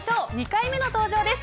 ２回目の登場です。